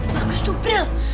bagus tuh prih